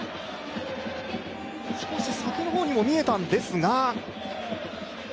少し先の方にも見えたんですが。